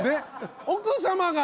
奥様が。